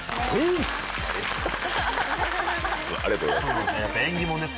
ありがとうございます。